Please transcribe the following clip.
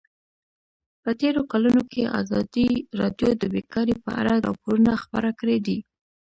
په تېرو کلونو کې ازادي راډیو د بیکاري په اړه راپورونه خپاره کړي دي.